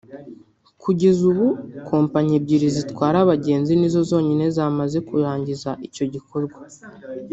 kugeza ubu kompanyi ebyiri zitwara abagenzi nizo zonyine zamaze kurangiza icyo gikorwa